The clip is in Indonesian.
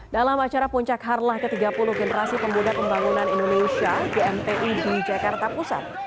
dalam acara puncak harlah ke tiga puluh generasi pemuda pembangunan indonesia gmpi di jakarta pusat